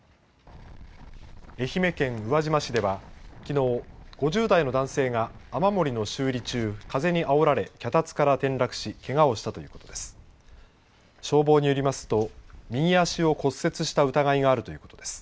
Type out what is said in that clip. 愛媛県宇和島市ではきのう、５０代の男性が雨漏りの修理中風にあおられ脚立から転落しけがをしたということです。